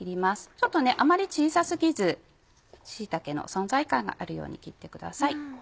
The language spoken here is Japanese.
ちょっとあまり小さ過ぎず椎茸の存在感があるように切ってください。